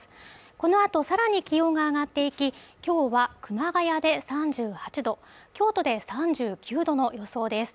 このあとさらに気温が上がっていき今日は熊谷で３８度京都で３９度の予想です